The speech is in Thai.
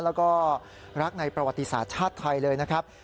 แล้วก็รักในประวัติศาสตร์ชาติไทยเลยนะครับ